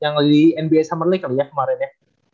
yang di nba summer league kali ya kemarin ya